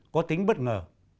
có tính bất ngờ